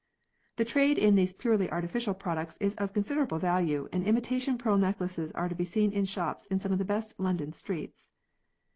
The trade in these purely artificial products is of considerable value and imitation pearl necklaces are to be seen in shops in some of the best London streets.